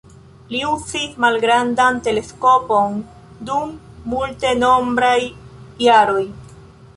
Li uzis malgrandan teleskopon dum multenombraj jaroj.